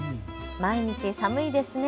毎日、寒いですね。